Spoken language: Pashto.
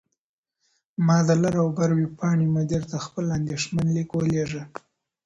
ما د «لر او بر» ویبپاڼې مدیر ته خپل اندیښمن لیک ولیږه.